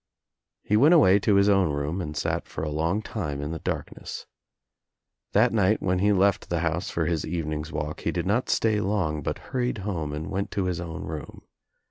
He went away to his own room and sat for a long time in the dark ness. That night when he left the house for his evening's walk he did not stay long but hurried home and went to his own room.